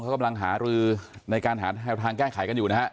เขากำลังหารือในการหาทางแก้ไขกันอยู่นะฮะ